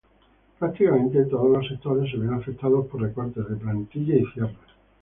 Prácticamente todos los sectores se ven afectados por recortes de plantilla y cierres.